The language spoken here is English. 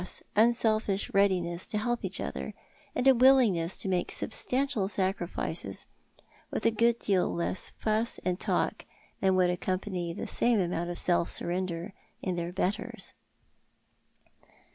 s, unselfish readiness to help each other, and a willingness to make substantial sacri fices with a good deal less fuss and talk than would accompany the same amount of self surrender in their betters.